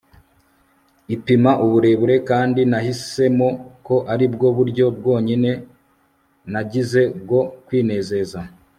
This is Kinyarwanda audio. ipima uburemere kandi nahisemo ko aribwo buryo bwonyine nagize bwo kwinezeza